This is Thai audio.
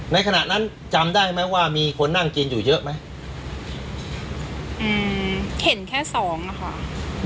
ขณะนั้นจำได้ไหมว่ามีคนนั่งกินอยู่เยอะไหมอืมเข็นแค่สองอ่ะค่ะ